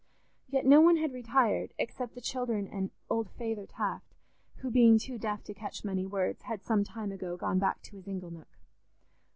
Yet no one had retired, except the children and "old Feyther Taft," who being too deaf to catch many words, had some time ago gone back to his inglenook.